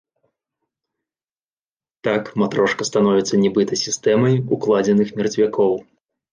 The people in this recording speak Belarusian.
Так, матрошка становіцца нібыта сістэмай укладзеных мерцвякоў.